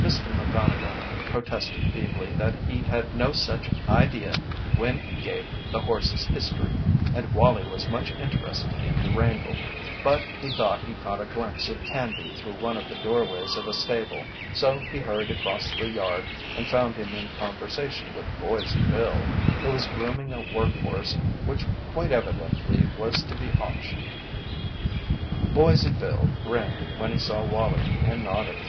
Mr. McGonnigle protested feebly that he had no such idea when he gave the horse's history, and Wallie was much interested in the wrangle, but he thought he caught a glimpse of Canby through one of the doorways of a stable so he hurried across the yard and found him in conversation with Boise Bill, who was grooming a work horse which quite evidently was to be auctioned. Boise Bill grinned when he saw Wallie and nodded.